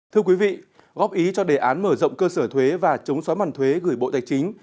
thưa quý vị góp ý cho đề án mở rộng cơ sở thuế và chống xói mòn thuế gửi bộ tài chính